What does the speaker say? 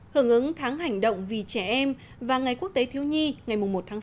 hưởng ứng tháng hành động vì trẻ em và ngày quốc tế thiếu nhi ngày một tháng sáu